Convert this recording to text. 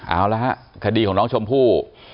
เอาละฮะคดีของน้องชมพู่